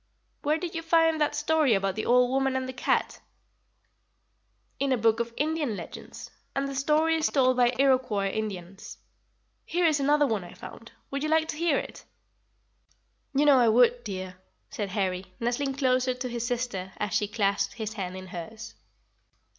"Where did you find that story about the old woman and the cat?" "In a book of Indian legends, and the story is told by the Iroquois Indians. Here is another one I found. Would you like to hear it?" "You know I would, dear," said Harry, nestling closer to his sister, as she clasped his hand in hers.